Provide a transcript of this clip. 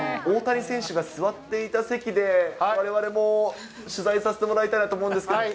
大谷選手が座っていた席で、われわれも取材させてもらえたらなと思うんですけど。